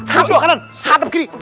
hantar ke kanan hantar ke kiri